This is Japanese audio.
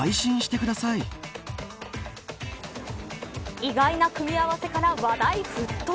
意外な組み合わせから話題沸騰。